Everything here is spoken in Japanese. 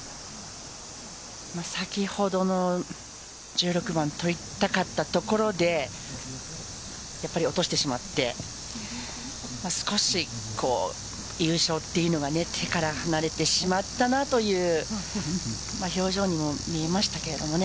先ほどの１６番取りたかったところでやっぱり落としてしまって少し優勝というのが手から離れてしまったなという表情にも見えましたけどね。